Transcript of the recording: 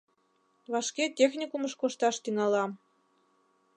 Вашке техникумыш кошташ тӱҥалам.